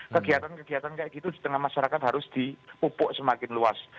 kegiatan kegiatan kayak gitu di tengah masyarakat harus dipupuk semakin luas